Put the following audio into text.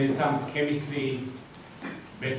saya rasa ini merasa menyenangkan